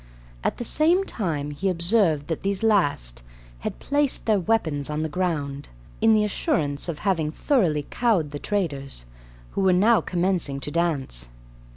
At the same time he observed that these last had placed their weapons on the ground, in the assurance of having thoroughly cowed the traders, who were now commencing to dance.